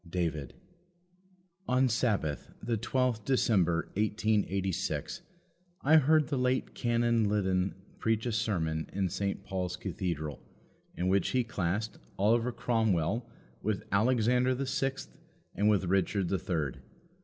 David. On Sabbath, the 12th December 1886, I heard the late Canon Liddon preach a sermon in St. Paul's Cathedral, in which he classed Oliver Cromwell with Alexander the Sixth and with Richard the Third.